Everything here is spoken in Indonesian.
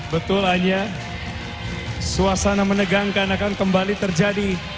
betul hanya suasana menegangkan akan kembali terjadi